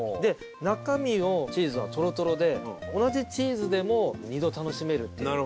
中身のチーズはトロトロで同じチーズでも２度楽しめるっていうのと。